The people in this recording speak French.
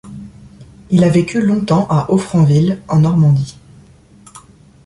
Il a vécu longtemps à Offranville en Normandie.